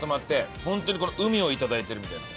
本当に海をいただいてるみたいな。